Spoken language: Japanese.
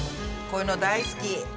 こういうの大好き。